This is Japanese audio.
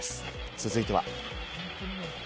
続いては。